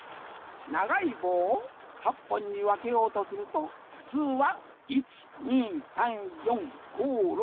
ながいぼうを８ぽんにわけようとするとふつうは１２３４５６７回きらねばならん。